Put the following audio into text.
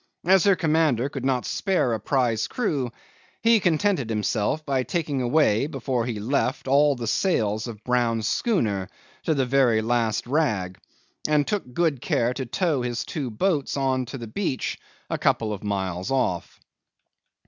As her commander could not spare a prize crew, he contented himself by taking away before he left all the sails of Brown's schooner to the very last rag, and took good care to tow his two boats on to the beach a couple of miles off.